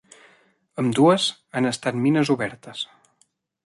Ambdues han estat mines obertes.